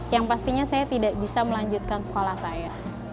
yang pastinya saya tidak bisa melanjutkan sekolah saya